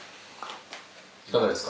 いかがですか？